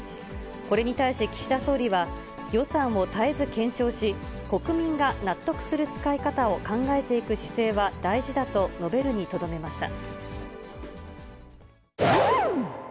これに対し、岸田総理は、予算を絶えず検証し、国民が納得する使い方を考えていく姿勢は大事だと述べるにとどめました。